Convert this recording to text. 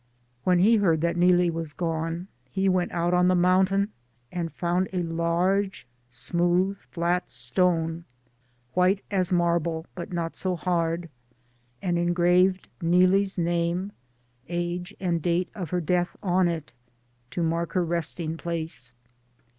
When he heard that Neelie was gone, he went out on the mountain and found a large, smooth, flat stone, white as marble, but not so hard. DAYS ON THE ROAD. 267 and engraved Neelie's name, age, and date of her death on it, to mark her resting place.